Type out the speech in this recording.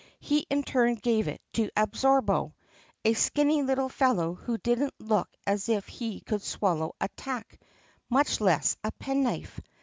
He in turn gave it to Absorbo, a skinny little fellow who didn't look as if he could swallow a tack, much less a penknife.